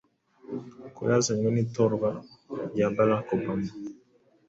ko yazanywe n’itorwa rya Barack Obama